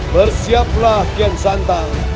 bersiaplah kian santang